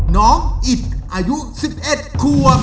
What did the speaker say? น้องอิดอายุ๑๑ควบ